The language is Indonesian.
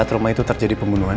ketika rumah itu terjadi pembunuhan